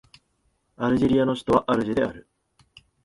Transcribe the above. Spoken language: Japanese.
アルジェリアの首都はアルジェである